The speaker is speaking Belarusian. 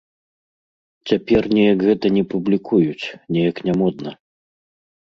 Цяпер неяк гэта не публікуюць, неяк нямодна.